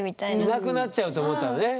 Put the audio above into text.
いなくなっちゃうと思ったんだね。